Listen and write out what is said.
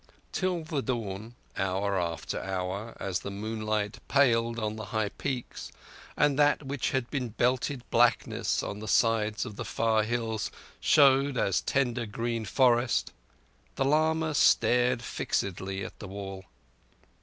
Till the dawn, hour after hour, as the moonlight paled on the high peaks, and that which had been belted blackness on the sides of the far hills showed as tender green forest, the lama stared fixedly at the wall.